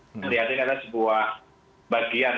jadi ini adalah sebuah bagian